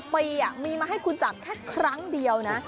ปีมีมาให้คุณจับแค่ครั้งเดียวนะ